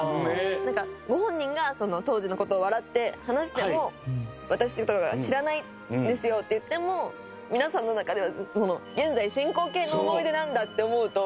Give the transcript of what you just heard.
なんかご本人が当時の事を笑って話しても私とかが「知らないですよ」って言っても皆さんの中ではずっと現在進行形の思い出なんだって思うと。